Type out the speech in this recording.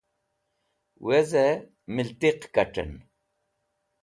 Weze! Miltiq Katen